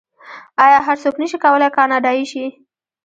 آیا هر څوک نشي کولی کاناډایی شي؟